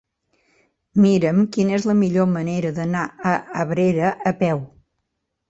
Mira'm quina és la millor manera d'anar a Abrera a peu.